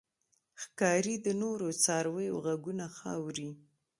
ښکاري د نورو څارویو غږونه ښه اوري.